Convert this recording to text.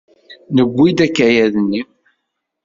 Newwi-d akk akayad-nni.